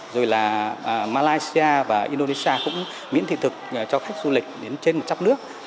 rồi là malaysia và indonesia cũng miễn thị thực cho khách du lịch đến trên một chấp nước